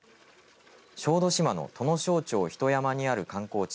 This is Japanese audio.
小豆島の土庄町肥土山にある観光地